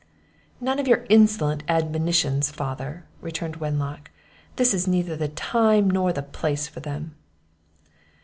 "None of your insolent admonitions, father!" returned Wenlock; "this is neither the time nor the place for them."